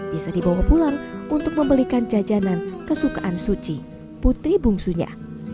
bisa dibawa pulang untuk membelikan jajanan kesukaan suci putri bungsunya